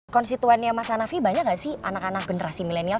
konstituennya mas hanafi banyak gak sih anak anak generasi milenial